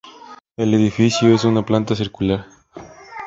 El edificio usa una planta circular.